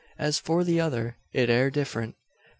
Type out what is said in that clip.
As for the other, it air different.